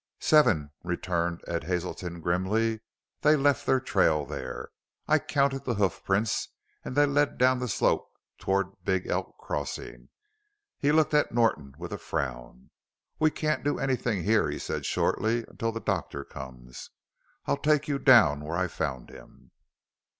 "Seven," returned Ed Hazelton grimly. "They left their trail there; I counted the hoof prints, an' they led down the slope toward Big Elk crossin'." He looked at Norton with a frown. "We can't do anything here," he said shortly, "until the doctor comes. I'll take you down where I found him."